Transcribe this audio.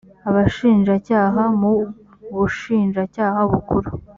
abashinjacyaha mu bushinjacyaha bukuru